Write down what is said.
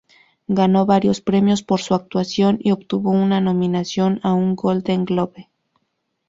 Ganó varios premios por su actuación y obtuvo una nominación a un Golden Globe.